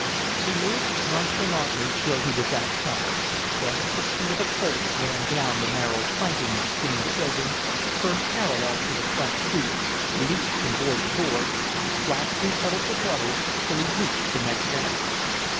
He moved nonchalantly till he was outside, then with the speed of a colt ran down the narrow planking between the buildings, turned parallel to the front street, leaped from board to board, splashed through puddles of water till he reached the next alley.